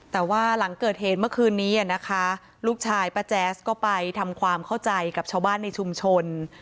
แต่ว่าหลังเกิดเหตุเมื่อคืนนี้นะคะลูกชายป้าแจ๊สก็ไปทำความเข้าใจกับชาวบ้านในชุมชน